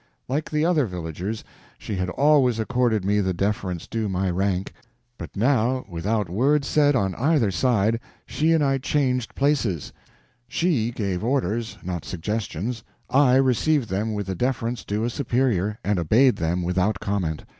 Like the other villagers, she had always accorded me the deference due my rank; but now, without word said on either side, she and I changed places; she gave orders, not suggestions. I received them with the deference due a superior, and obeyed them without comment.